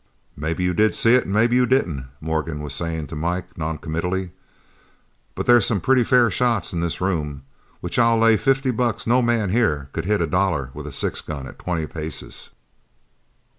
"Maybe you did see it, and maybe you didn't," Morgan was saying to Mike noncommittally, "but there's some pretty fair shots in this room, which I'd lay fifty bucks no man here could hit a dollar with a six gun at twenty paces."